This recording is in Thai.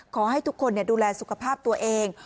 ขอให้ทุกคนดูแลสุขภาพตัวเอง